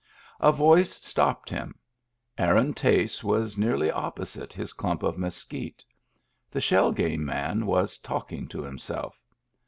A voice stopped him; Aaron Tace was nearly opposite his clump of mesquite. The shell game man was talking to himself.